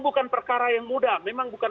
bukan perkara yang mudah memang bukan